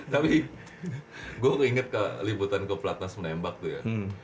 tapi gue inget liputan ke platnas menembak tuh ya